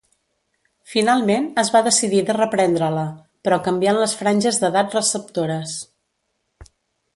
Finalment, es va decidir de reprendre-la, però canviant les franges d’edat receptores.